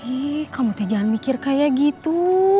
ih kamu teh jangan mikir kayak gitu